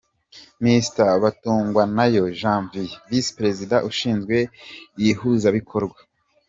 Mr. Batungwanayo Janvier, Visi-Perezida ushinzwe ihuzabikorwa;